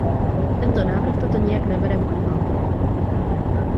Tento návrh toto nijak nebere v úvahu.